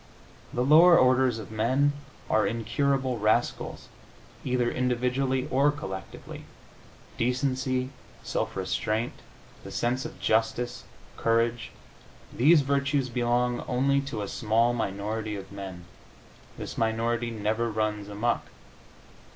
The lower orders of men are incurable rascals, either individually or collectively. Decency, self restraint, the sense of justice, courage these virtues belong only to a small minority of men. This minority never runs amuck.